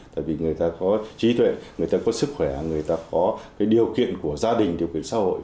tại vì người ta có trí tuệ người ta có sức khỏe người ta có cái điều kiện của gia đình điều kiện xã hội